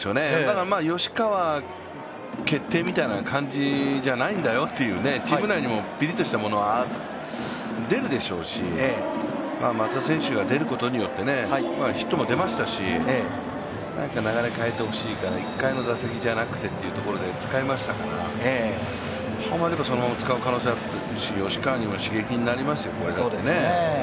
吉川で決定みたいな感じじゃないんだよという、チーム内にもピリッとしたものは出るでしょうし、松田選手が出ることによってヒットも出ましたし、何か流れ変えてほしいから１回の打席じゃなくて使いましたから、はまれば、そのまま使う可能性があるし、吉川にも刺激になりますよ。